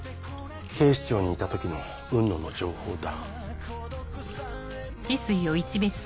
警視庁にいた時の雲野の情報だ。